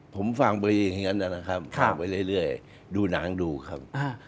ผมฟังไปอย่างนั้นนะครับฟังไปเรื่อยดูหนังดูครับ